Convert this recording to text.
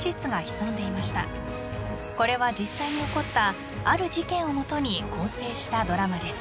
［これは実際に起こったある事件を基に構成したドラマです］